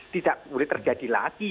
tidak boleh terjadi lagi